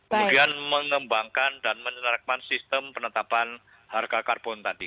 kemudian mengembangkan dan menerapkan sistem penetapan harga karbon tadi